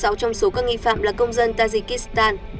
sáu trong số các nghi phạm là công dân tajikistan